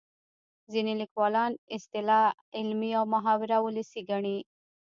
ځینې لیکوالان اصطلاح علمي او محاوره ولسي ګڼي